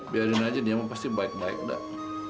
biarin aja dia mah pasti baik baik dah